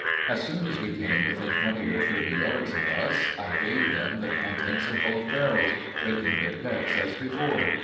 As soon as we came within twenty or thirty yards of us, I gave them the contents of both barrels, raking their decks as before.